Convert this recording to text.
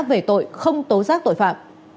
về tội không tố giác tội phạm